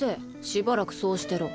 しばらくそうしてろ。